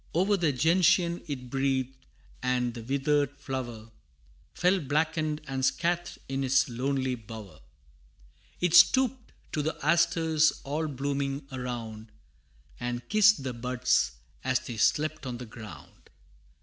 O'er the gentian it breathed, and the withered flower Fell blackened and scathed in its lonely bower; It stooped to the asters all blooming around, And kissed the buds as they slept on the ground.